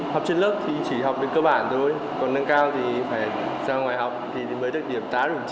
học trên lớp thì chỉ học đến cơ bản thôi còn nâng cao thì phải ra ngoài học mới được điểm tám chín một mươi